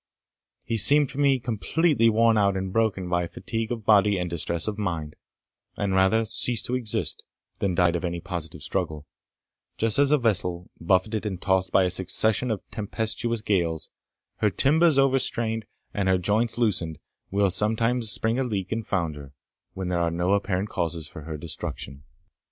He seemed to me completely worn out and broken down by fatigue of body and distress of mind, and rather ceased to exist, than died of any positive struggle, just as a vessel, buffeted and tossed by a succession of tempestuous gales, her timbers overstrained, and her joints loosened, will sometimes spring a leak and founder, when there are no apparent causes for her destruction.